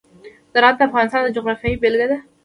زراعت د افغانستان د جغرافیې بېلګه ده.